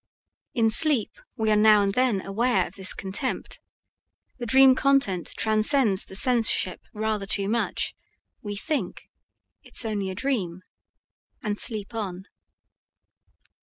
In sleep we are now and then aware of this contempt; the dream content transcends the censorship rather too much, we think, "It's only a dream," and sleep on.